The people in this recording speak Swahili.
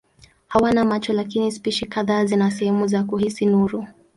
Hawana macho lakini spishi kadhaa zina sehemu za kuhisi nuru.